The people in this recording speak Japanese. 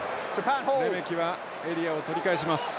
レメキはエリアを取り返します。